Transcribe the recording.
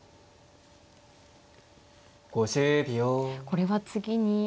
これは次に。